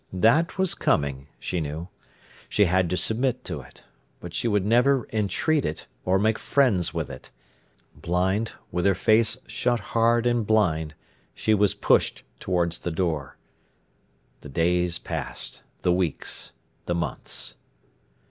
That was coming, she knew. She had to submit to it. But she would never entreat it or make friends with it. Blind, with her face shut hard and blind, she was pushed towards the door. The days passed, the weeks, the months.